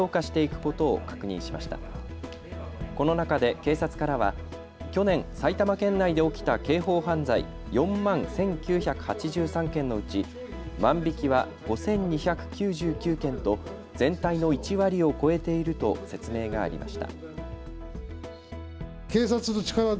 この中で警察からは去年、埼玉県内で起きた刑法犯罪４万１９８３件のうち万引きは５２９９件と全体の１割を超えていると説明がありました。